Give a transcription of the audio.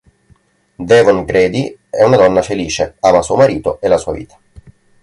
Devon Grady è una donna felice: ama suo marito e la sua vita.